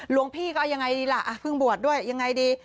หลวงพี่ก็เอายังไงดีล่ะเพิ่งบวชด้วยยังไงดี